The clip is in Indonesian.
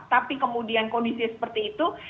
tapi kemudian kondisi seperti itu